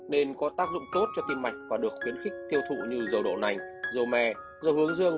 nên có tác dụng tốt cho tim mạch và được khuyến khích tiêu thụ như dầu đổ nành dầu mè dầu hướng dương